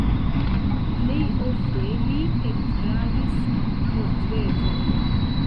Plej ofte li pentradis portretojn.